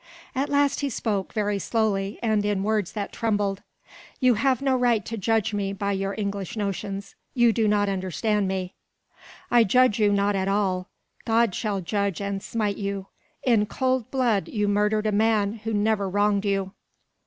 At last he spoke, very slowly, and in words that trembled. "You have no right to judge me by your English notions. You do not understand me." "I judge you not at all. God shall judge and smite you. In cold blood you murdered a man who never wronged you."